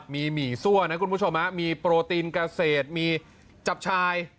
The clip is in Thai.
มีหมี่ซั่วนะคุณผู้ชมมีโปรตีนเกษตรมีจับชาย